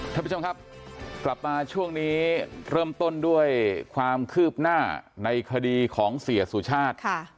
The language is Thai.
ท่านผู้ชมครับกลับมาช่วงนี้เริ่มต้นด้วยความคืบหน้าในคดีของเสียสุชาติ